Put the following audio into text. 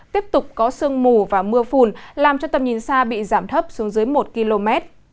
tiếp tục có sương mù và mưa phùn làm cho tầm nhìn xa bị giảm thấp xuống dưới một km